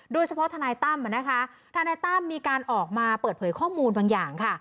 ทนายตั้มนะคะทนายตั้มมีการออกมาเปิดเผยข้อมูลบางอย่างค่ะ